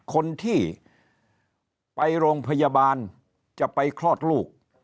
คนที่ไปโรงพยาบาลจะไปคลอดลูก